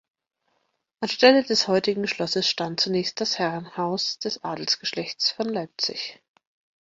Anstelle des heutigen Schlosses stand zunächst ein Herrenhaus des Adelsgeschlechts von Leipzig.